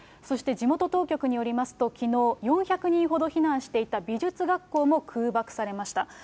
そして地元当局によりますと、きのう、４００人ほど避難していた美術学校も空爆されました。